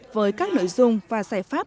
với các nội dung và giải pháp